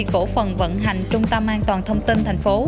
cổ phần vận hành trung tâm an toàn thông tin thành phố